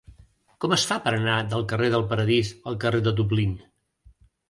Com es fa per anar del carrer del Paradís al carrer de Dublín?